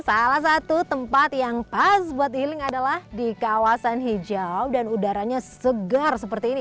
salah satu tempat yang pas buat healing adalah di kawasan hijau dan udaranya segar seperti ini